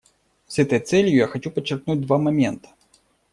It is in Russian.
С этой целью я хочу подчеркнуть два момента.